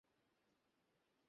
স্ত্রীর সাথে ফোনে কথা বলছে।